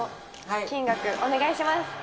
金額お願いします